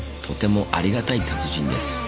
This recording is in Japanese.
とてもありがたい達人です。